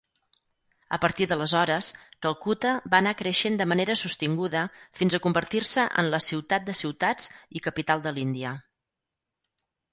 A partir d'aleshores, "Calcutta va anar creixent de manera sostinguda fins a convertir'se en la "ciutat de ciutats" i capital de l'Índia".